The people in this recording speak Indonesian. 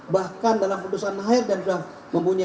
bahkan dalam keputusan mahir dan mempunyai